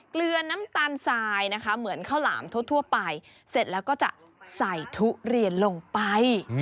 เกลือน้ำตาลทรายนะคะเหมือนข้าวหลามทั่วไปเสร็จแล้วก็จะใส่ทุเรียนลงไป